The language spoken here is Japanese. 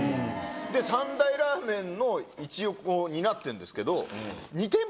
三大ラーメンの一翼を担ってるんですけど。